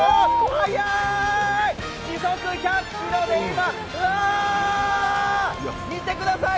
時速１００キロで今、うわー、見てください